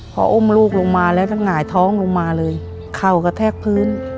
พออุ้มลูกลงมาแล้วทั้งหงายท้องลงมาเลยเข่ากระแทกพื้น